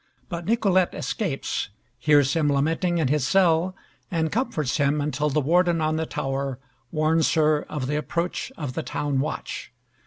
But Nicolette escapes, hears him lamenting in his cell, and comforts him until the warden on the tower warns her of the approach of the town watch.